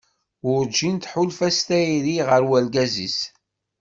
Werǧin tḥulfa s tayri ɣer urgaz-is.